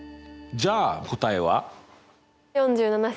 じゃあ答えは？